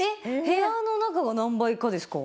部屋の中が何倍かですか？